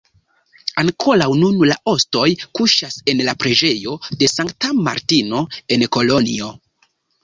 Ankoraŭ nun la ostoj kuŝas en la preĝejo de Sankta Martino en Kolonjo.